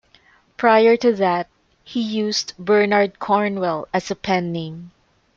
Prior to that, he used Bernard Cornwell as a pen name.